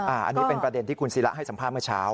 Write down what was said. อันนี้เป็นประเด็นที่คุณศิระให้สัมภาษณ์เมื่อเช้า